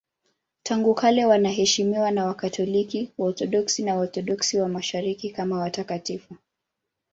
Tangu kale wanaheshimiwa na Wakatoliki, Waorthodoksi na Waorthodoksi wa Mashariki kama watakatifu.